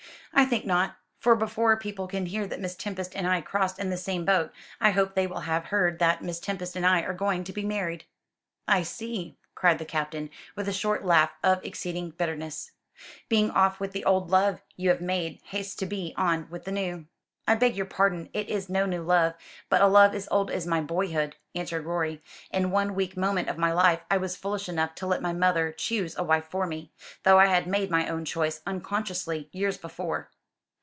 "I think not; for before people can hear that Miss Tempest and I crossed in the same boat I hope they will have heard that Miss Tempest and I are going to be married." "I see," cried the Captain, with a short laugh of exceeding bitterness; "being off with the old love you have made haste to be on with the new." "I beg your pardon. It is no new love, but a love as old as my boyhood," answered Rorie. "In one weak moment of my life I was foolish enough to let my mother choose a wife for me, though I had made my own choice, unconsciously, years before."